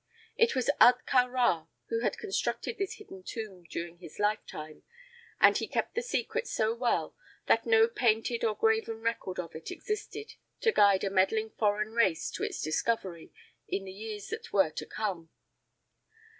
It was Ahtka Rā who had constructed this hidden tomb during his lifetime, and he kept the secret so well that no painted or graven record of it existed to guide a meddling foreign race to its discovery in the years that were to come.